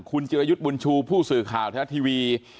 คุณเจียวอยุธบุญชูผู้สื่อข่าวทะเลทัศน์ทีวี